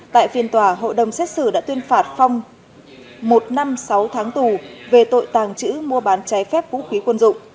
tại phiên tòa hội đồng xét xử đã tuyên phạt phong một năm sáu tháng tù về tội tàng trữ mua bán trái phép vũ khí quân dụng